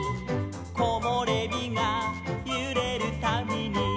「こもれびがゆれるたびに」